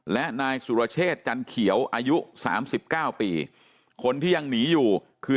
และนายสุรเชษฐ์จันทร์เขียวอายุ๓๙ปีคนที่ยังหนีอยู่คือ